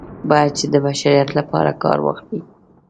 باید چې د بشریت لپاره کار واخلي.